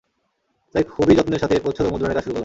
তাই খুবই যত্নের সাথে এর প্রচ্ছদ ও মুদ্রণের কাজ শুরু করলাম।